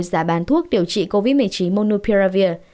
giá bán thuốc điều trị covid một mươi chín monopiravir